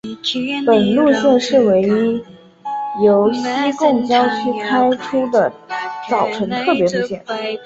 本路线是唯一由西贡郊区开出的早晨特别路线。